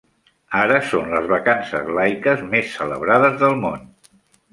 Ara són les vacances laiques més celebrades del món.